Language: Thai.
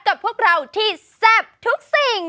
กับพวกเราที่แซ่บทุกสิ่ง